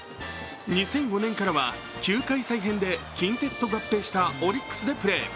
２００５年からは球界再編で近鉄と合併したオリックスでプレー。